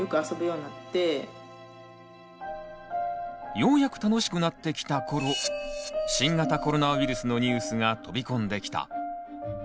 ようやく楽しくなってきた頃新型コロナウイルスのニュースが飛び込んできた。